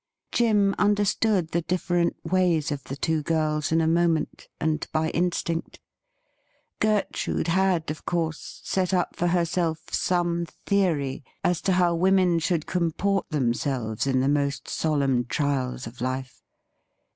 Jim understood the different ways of the two girls in a moment, and by instinct. Gertrude had, of course, set up for herself some theory as to how women should comport themselves in the most solemn trials of Jife.